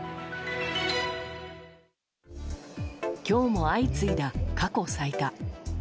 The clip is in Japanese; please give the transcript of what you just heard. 今日も相次いだ、過去最多。